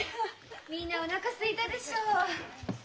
みんなおなかすいたでしょう。